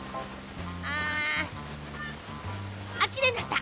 ああっきれいになった！